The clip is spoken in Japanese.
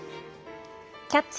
「キャッチ！